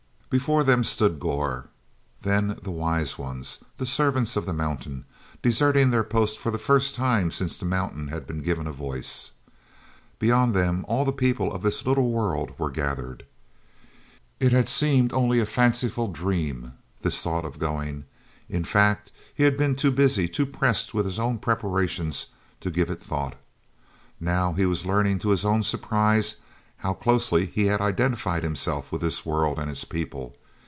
Before them stood Gor, then the Wise Ones, the Servants of the Mountain, deserting their post for the first time since the Mountain had been given a voice. Beyond them all the people of this little world were gathered. It had seemed only a fanciful dream, this thought of going; in fact, he had been too busy, too pressed with his own preparations, to give it thought. Now he was learning to his own surprise how closely he had identified himself with this world and its people.